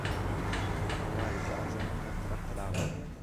هغه وایي زه ارزان قیمت طرف ته لاړ یم.